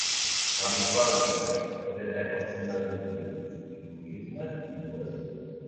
La micròglia també defensa el sistema nerviós de virus, microorganismes i tumoracions.